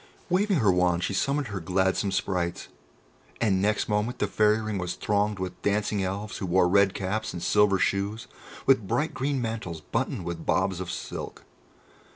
Waving her wand, she summoned her "gladsome sprites," and next moment the Fairy Ring was thronged with dancing Elves who wore red caps and silver shoes, with bright green mantles buttoned with bobs of silk.